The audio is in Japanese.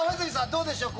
どうでしょうか？